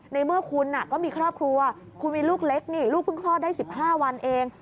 ในเมื่อคุณก็มีครอบครัวคุณมีลูกเล็กนี่ลูกเพิ่งคลอดได้๑๕วันเอง